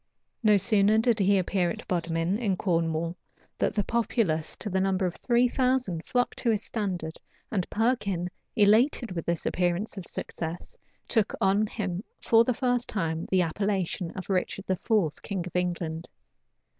No sooner did he appear at Bodmin, in Cornwall, than the populace, to the number of three thousand, flocked to his standard, and Perkin, elated with this appearance of success, took on him, for the first time, the appellation of Richard IV., king of England.